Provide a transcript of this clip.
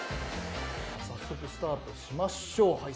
早速スタートしましょう。